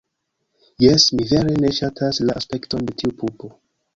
Jes... mi vere ne ŝatas la aspekton de tiu pupo.